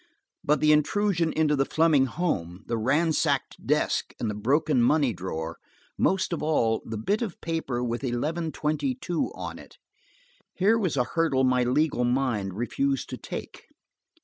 But the intrusion into the Fleming home, the ransacked desk and the broken money drawer–most of all, the bit of paper with eleven twenty two on it–here was a hurdle my legal mind refused to take.